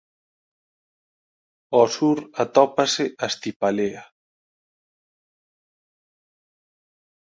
Ao sur atópase Astipalea.